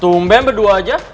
tumben berdua aja